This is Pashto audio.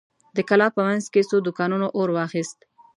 د کلا په مينځ کې څو دوکانونو اور واخيست.